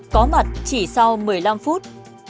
có mặt chỉ sau một mươi năm phút